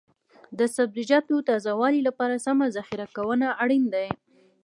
د سبزیجاتو تازه والي لپاره سمه ذخیره ګاهونه اړین دي.